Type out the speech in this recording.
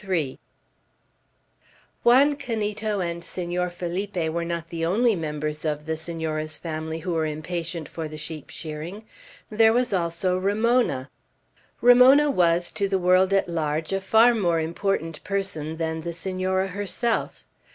III JUAN CANITO and Senor Felipe were not the only members of the Senora's family who were impatient for the sheep shearing. There was also Ramona. Ramona was, to the world at large, a far more important person than the Senora herself.